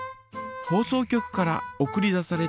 放送局から送り出されたえ